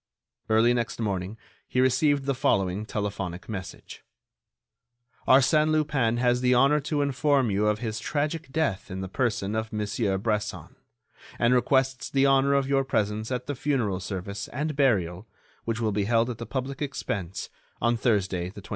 Early next morning he received the following telephonic message: "Arsène Lupin has the honor to inform you of his tragic death in the person of Monsieur Bresson, and requests the honor of your presence at the funeral service and burial, which will be held at the public expense on Thursday, 25 June."